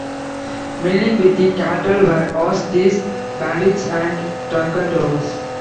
Milling with the cattle were horse thieves, bandits and drunken drovers.